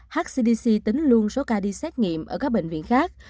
hcdc tính luôn số ca đi xét nghiệm ở các bệnh viện khác